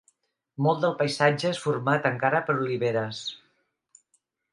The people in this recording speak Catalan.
Molt del paisatge és format encara per oliveres.